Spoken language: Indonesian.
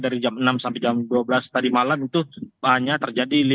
dari jam enam sampai jam dua belas tadi malam itu hanya terjadi lima puluh